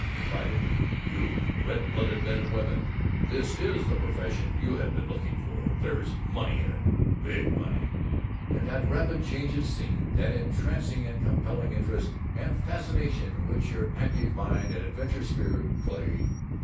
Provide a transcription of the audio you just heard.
confided: "YOU red blooded men and women this is the PROFESSION you have been looking for. There's MONEY in it, BIG money, and that rapid change of scene, that entrancing and compelling interest and fascination, which your active mind and adventurous spirit crave.